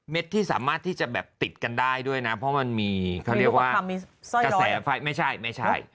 ที่สามารถที่จะแบบติดกันได้ด้วยนะเพราะมันมีเขาเรียกว่ากระแสไฟไม่ใช่ไม่ใช่